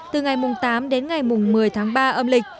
từ ngày tám đến ngày một mươi tháng ba âm lịch